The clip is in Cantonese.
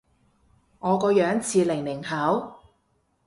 我個樣似零零後？